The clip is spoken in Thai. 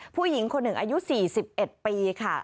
ผู้หญิงคนหนึ่งอายุ๔๑ปีค่ะ